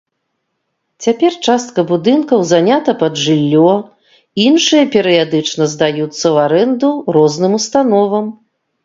Цяпер частка будынкаў занята пад жыллё, іншыя перыядычна здаюцца ў арэнду розным установам.